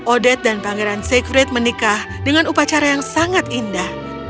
odet dan pangeran siegfrite menikah dengan upacara yang sangat indah